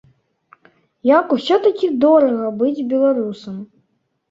Як усё-такі дорага быць беларусам.